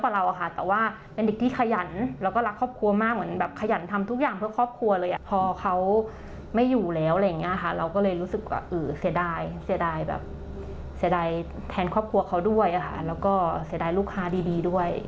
แล้วก็เสียดายลูกค้าดีด้วย